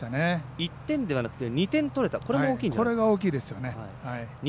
１点ではなくて２点取れたというのも大きいですね。